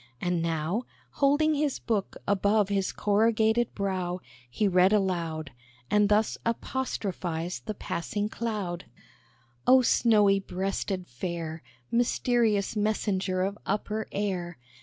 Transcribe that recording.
And now, Holding his book above his corrugated brow He read aloud, And thus apostrophized the passing cloud: "Oh, snowy breasted Fair! Mysterious messenger of upper air!